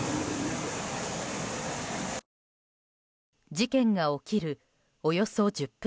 事件が起きる、およそ１０分